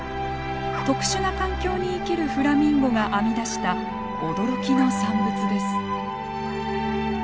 特殊な環境に生きるフラミンゴが編み出した驚きの産物です。